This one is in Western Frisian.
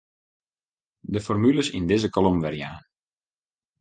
De formules yn dizze kolom werjaan.